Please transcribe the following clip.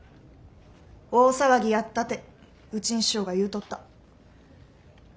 大騒ぎやったてうちん師匠が言うとった。